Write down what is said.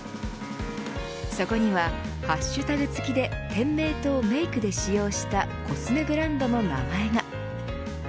そこには、ハッシュタグ付きで店名とメークで使用したコスメブランドの名前が。